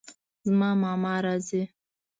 زما ماما راځي